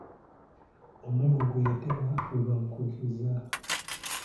Omuggo gwe yatema gwe bamukubisizza.